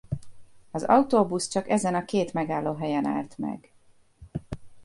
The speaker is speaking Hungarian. Az autóbusz csak ezen a két megállóhelyen állt meg.